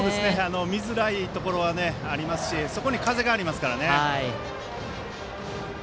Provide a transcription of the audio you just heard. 見づらいところがありますしそこに風がありますからね。